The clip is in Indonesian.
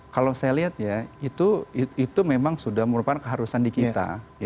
kalau saya lihat ya itu memang sudah merupakan keharusan di kita